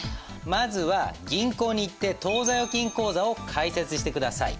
まずは銀行に行って当座預金口座を開設して下さい。